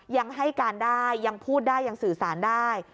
ยังให้การได้ยังพูดได้ยังสื่อสารได้